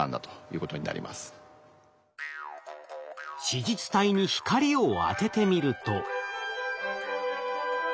子実体に光を当ててみると。